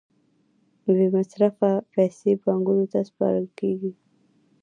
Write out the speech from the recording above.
بې مصرفه پیسې بانکونو ته سپارل کېږي